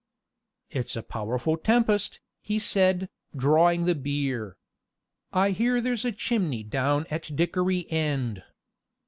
"It's a powerful tempest," he said, drawing the beer. "I hear there's a chimney down at Dickory End."